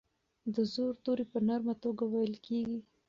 د زور توری په نرمه توګه ویل کیږي.